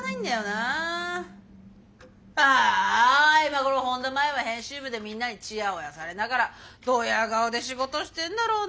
ああ今頃本田麻衣は編集部でみんなにチヤホヤされながらドヤ顔で仕事してんだろうな！